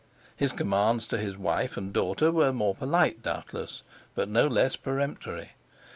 His commands to his wife and daughter were more polite, doubtless, but no less peremptory.